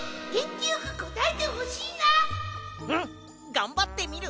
がんばってみる。